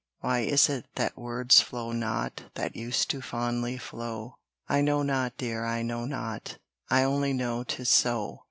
Why is it that words flow not That used to fondly flow? I know not, dear, I know not, I only know 'tis so.